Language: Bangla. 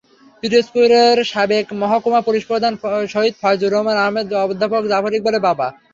পিরোজপুরের সাবেক মহকুমা পুলিশপ্রধান শহীদ ফয়জুর রহমান আহমেদ অধ্যাপক জাফর ইকবালের বাবা।